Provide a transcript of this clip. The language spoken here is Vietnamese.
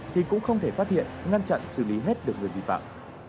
thì cũng không thể phát hiện ngăn chặn xử lý hết được người vi phạm